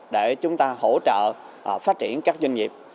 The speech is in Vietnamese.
để chúng ta hỗ trợ phát triển các doanh nghiệp